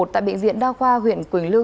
tại bệnh viện đa khoa huyện quỳnh lưu